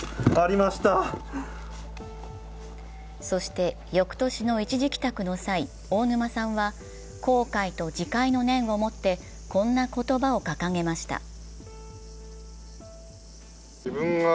そして翌年の一時帰宅の際、大沼さんは後悔と自戒の念を持って、こんな言葉を掲げました。